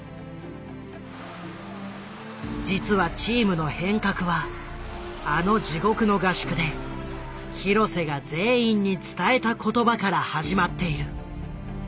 実はチームの変革はあの地獄の合宿で廣瀬が全員に伝えた言葉から始まっている。